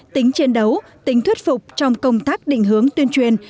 tính chiến đấu tính thuyết phục trong công tác định hướng tuyên truyền